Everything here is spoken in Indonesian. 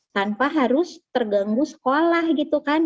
tanpa harus terganggu sekolah gitu kan